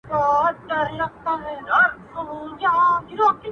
• او بیا په خپلو مستانه سترګو دجال ته ګورم_